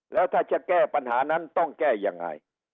แล้วถ้าจะแก้ปัญหานั้นต้องแก้ยังไง